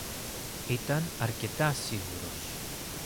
ήταν αρκετά σίγουρος